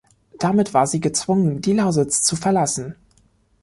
Damit war sie gezwungen, die Lausitz zu verlassen.